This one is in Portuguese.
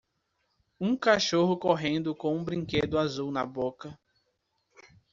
Um cachorro correndo com um brinquedo azul na boca.